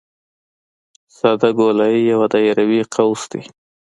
ساده ګولایي یو دایروي قوس دی